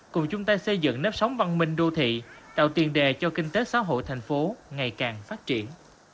cùng chúng ta xây dựng nếp sóng văn minh đô thị tạo tiền đề cho kinh tế xã hội thành phố ngày càng phát triển